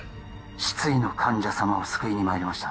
失意の患者様を救いにまいりました